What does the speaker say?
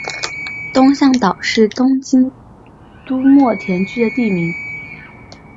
东向岛是东京都墨田区的地名。